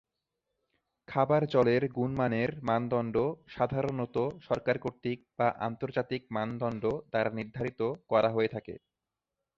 খাবার জলের গুণমানের মানদন্ড সাধারণত সরকার কর্তৃক বা আন্তর্জাতিক মানদন্ড দ্বারা নির্ধারিত করা হয়ে থাকে।